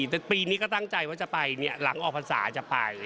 แต่ปีนี้ก็ตั้งใจว่าจะไปหลังออกภัณฑ์ศาสตร์จะไป